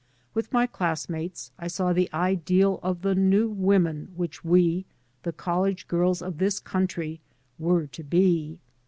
With my classmates I saw the ideal of the new women which we, the college g^rls of this country, were to be.